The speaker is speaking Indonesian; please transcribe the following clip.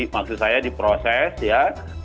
maksud saya diproses ya